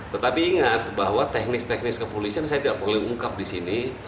tetapi ingat bahwa teknis teknis kepolisian saya tidak boleh ungkap di sini